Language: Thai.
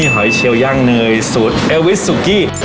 หอยเชียวย่างเนยสูตรเอวิสุกี้